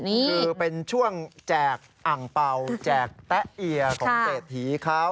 นี่คือเป็นช่วงแจกอังเปล่าแจกแตะเอียของ๗หีเขา